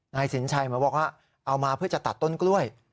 นายสินชัยเหมือนบอกว่าเอามาเพื่อจะตัดต้นกล้วย